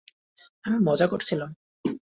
আমি মজা করছিলাম।